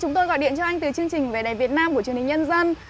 chúng tôi gọi điện cho anh từ chương trình về đèn việt nam của truyền hình nhân dân